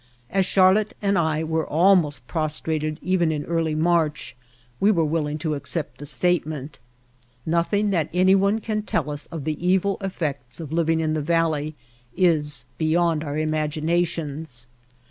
As Charlotte and I were almost pros trated even in early March, we are willing to accept the statement. Nothing that anyone can tell us of the evil effects of living in the valley is beyond our imaginations.